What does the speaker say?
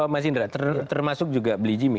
mas indra termasuk juga blijimi